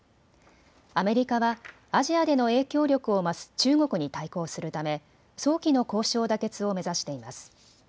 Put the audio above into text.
アメリカはアジアでの影響力を増す中国に対抗するため早期の交渉妥結を目指しています。